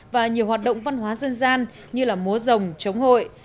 và nhiều hoạt động văn hóa dân gian như là múa rồng chống hội